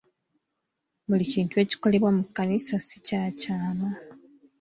Buli kintu ekikolebwa mu kkanisa si kya kyama.